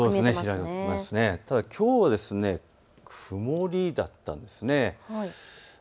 きょうは曇りだったんです。